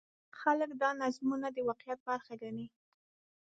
خلک دا نظمونه د واقعیت برخه ګڼي.